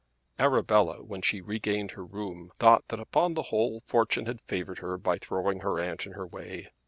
Arabella when she regained her room thought that upon the whole fortune had favoured her by throwing her aunt in her way.